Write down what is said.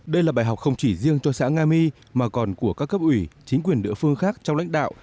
đây là bài học không chỉ riêng cho xã nga my mà còn của các cấp ủy chính quyền địa phương khác trong lãnh đạo